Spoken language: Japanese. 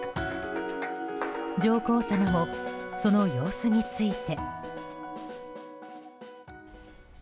上皇さまもその様子について。